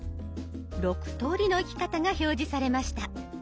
６通りの行き方が表示されました。